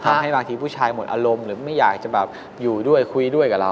ให้บางทีผู้ชายหมดอารมณ์หรือไม่อยากจะแบบอยู่ด้วยคุยด้วยกับเรา